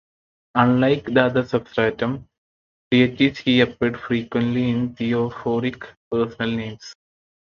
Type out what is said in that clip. Unlike the other "substratum" deities he appeared frequently in theophoric personal names.